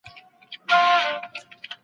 زه به سبا ډوډۍ پخه کړم.